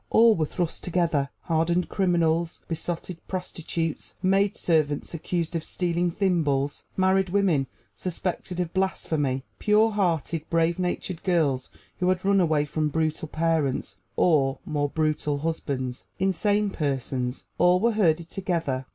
All were thrust together. Hardened criminals, besotted prostitutes, maidservants accused of stealing thimbles, married women suspected of blasphemy, pure hearted, brave natured girls who had run away from brutal parents or more brutal husbands, insane persons all were herded together.